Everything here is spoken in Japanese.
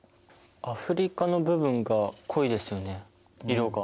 アフリカの部分が濃いですよね色が。